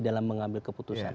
dalam mengambil keputusan